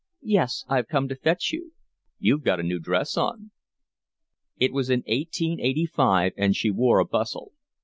"Yes, I've come to fetch you." "You've got a new dress on." It was in eighteen eighty five, and she wore a bustle.